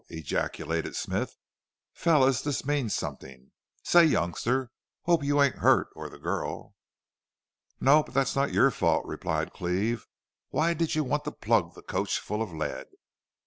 ejaculated Smith. "Fellers, this means somethin'.... Say, youngster, hope you ain't hurt or the girl?" "No. But that's not your fault," replied Cleve. "Why did you want to plug the coach full of lead?"